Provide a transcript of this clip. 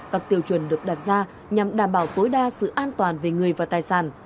các tiêu chuẩn được đặt ra nhằm đảm bảo tối đa sự an toàn về người và tài sản